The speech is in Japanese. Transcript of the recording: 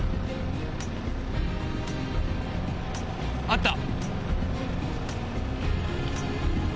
あった！